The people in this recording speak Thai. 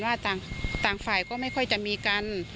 ว่าต่างฝ่ายก็ไม่ค่อยจะมีกัน